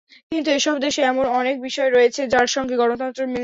কিন্তু এসব দেশে এমন অনেক বিষয় রয়েছে, যার সঙ্গে গণতন্ত্রের মিল নেই।